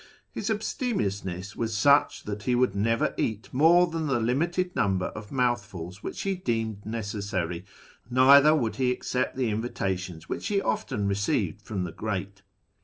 His alistemiousness was such that he would never eat more than the limited number of mouthfuls which he deemed necessary, neither would he accept the invitations which he often received from the great.